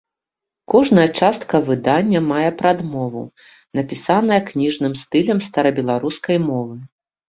Кожная частка выдання мае прадмову, напісаная кніжным стылем старабеларускай мовы.